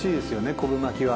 昆布巻きは。